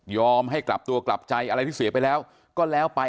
ให้กลับตัวกลับใจอะไรที่เสียไปแล้วก็แล้วไป